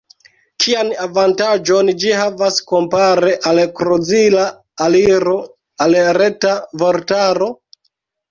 Kian avantaĝon ĝi havas kompare al krozila aliro al Reta Vortaro?